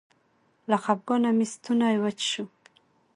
له خپګانه مې ستونی وچ شو.